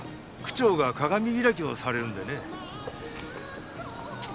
区長が鏡開きをされるのでね。